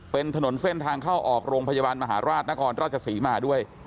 เป็นถนนเส้นทางเข้าออกโรงพยาบาลมหาราชนครราชศรีมาด้วย